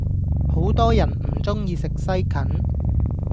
好多人唔鍾意食西芹